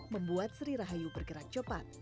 membuat sri rahayu bergerak cepat